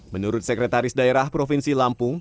menurut sekretaris daerah provinsi lampung